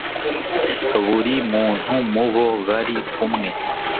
buri muntu mu bo bari kumwe